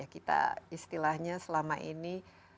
kita istilahnya selama ini